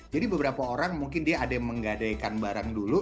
jadi beberapa orang mungkin dia ada yang menggadaikan barang dulu